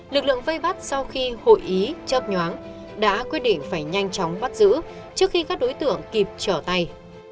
lực lượng vây bắt sau khi hội ý chớp nhoáng đã quyết định phải nhanh chóng bắt giữ trước khi các đối tượng kịp trở tay